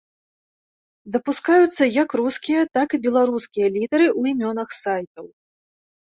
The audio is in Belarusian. Дапускаюцца як рускія, так і беларускія літары ў імёнах сайтаў.